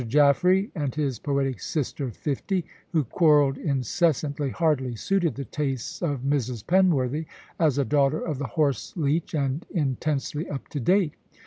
Jaffray and his poetic sister of fifty, who quarrelled incessantly, hardly suited the tastes of Mrs. Penworthy, as a daughter of the horse leech and intensely up to date.